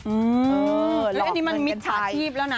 อืมแล้วอันนี้มันมิจฉาชีพแล้วนะ